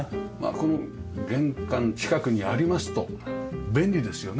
この玄関近くにありますと便利ですよね。